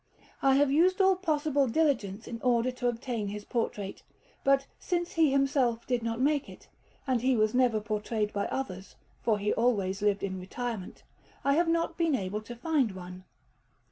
I have used all possible diligence in order to obtain his portrait, but, since he himself did not make it, and he was never portrayed by others, for he always lived in retirement, I have not been able to find one.